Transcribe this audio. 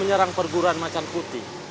ya udah masuk